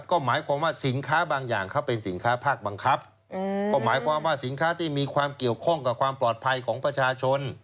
ก็หมายความว่าสินค้าบางอย่างเขาเป็นสินค้าภาคบังคับก็หมายความว่าสินค้าที่มีความเกี่ยวข้องกับความปลอดภัยของประชาชน